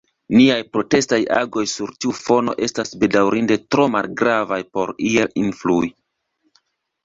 Niaj protestaj agoj sur tiu fono estas, bedaŭrinde, tro malgravaj por iel influi.